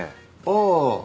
ああ。